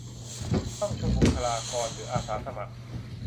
ต้องชมบุคคลากรหรืออาสาสมัคร